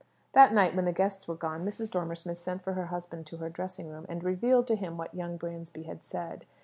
That night when the guests were gone, Mrs. Dormer Smith sent for her husband to her dressing room, and revealed to him what young Bransby had said.